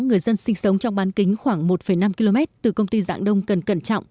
người dân sinh sống trong bán kính khoảng một năm km từ công ty dạng đông cần cẩn trọng